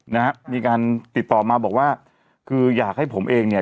นะฮะมีการติดต่อมาบอกว่าคืออยากให้ผมเองเนี่ย